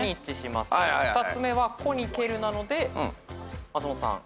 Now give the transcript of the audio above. ２つ目は「こ」に「ける」なので松本さん。